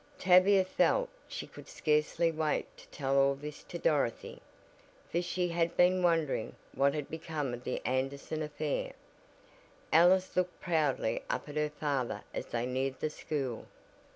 Tavia felt she could scarcely wait to tell all this to Dorothy, for she had been wondering what had become of the Anderson affair. Alice looked proudly up at her father as they neared the school.